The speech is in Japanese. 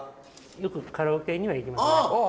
よくカラオケには行きますね。